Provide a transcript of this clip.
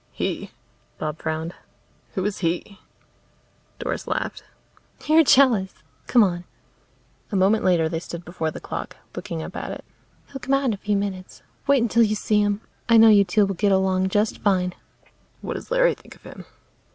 "He?" Bob frowned. "Who is he?" Doris laughed. "You're jealous! Come on." A moment later they stood before the clock, looking up at it. "He'll come out in a few minutes. Wait until you see him. I know you two will get along just fine." "What does Larry think of him?"